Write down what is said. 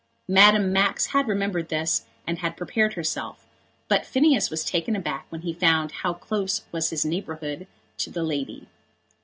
Madame Max had remembered this, and had prepared herself, but Phineas was taken aback when he found how close was his neighbourhood to the lady.